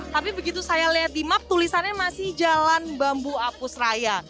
tapi begitu saya lihat di map tulisannya masih jalan bambu apus raya